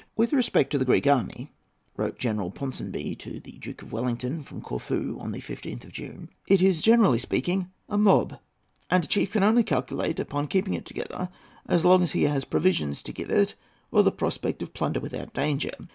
"With respect to the Greek army," wrote General Ponsonby to the Duke of Wellington, from Corfu, on the 15th of June, "it is, generally speaking, a mob; and a chief can only calculate upon keeping it together as long as he has provisions to give it or the prospect of plunder without danger.